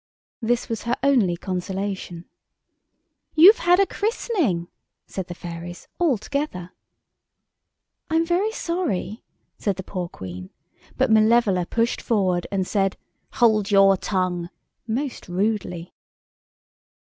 This was her only consolation. "You've had a christening," said the fairies, all together. "I'm very sorry," said the poor Queen, but Malevola pushed forward and said, "Hold your tongue," most rudely.